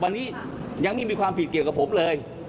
วันนี้ยังไม่มีความผิดเกี่ยวกับผมเลย